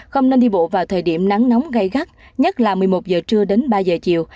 không nên đi bộ vào thời điểm nắng nóng gây gắt nhất là một mươi một giờ trưa đến ba giờ chiều